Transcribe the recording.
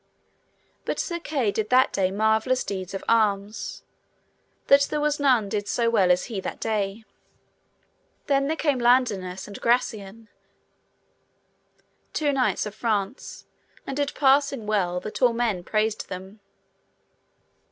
But Sir Kay did that day marvellous deeds of arms, that there was none did so well as he that day. Then there came Ladinas and Gracian, two knights of France, and did passing well, that all men praised them.